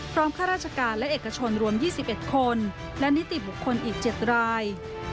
ข้าราชการและเอกชนรวม๒๑คนและนิติบุคคลอีก๗ราย